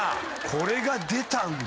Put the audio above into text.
これが出たんだ。